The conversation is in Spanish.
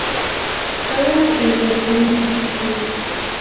Todas las teorías son discutibles.